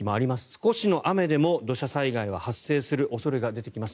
少しの雨でも土砂災害は発生する恐れが出てきます。